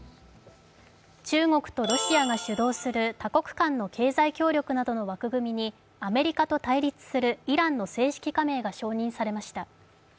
中国とロシアが主導する多国間の経済協力などの枠組みにアメリカと対立するイランの正式加盟が承認されました。